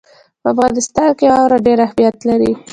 په افغانستان کې واوره ډېر اهمیت لري.